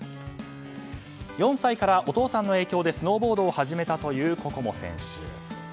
４歳からお父さんの影響でスノーボードを始めたという心椛選手。